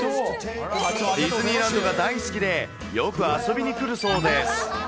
ディズニーランドが大好きで、よく遊びに来るそうです。